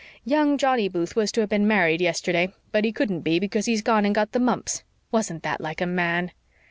Young Johnny Booth was to have been married yesterday, but he couldn't be because he's gone and got the mumps. Wasn't that like a man?"